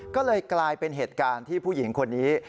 ก็เลยกลายเป็นเหตุการณ์ที่ผู้หญิงคนนี้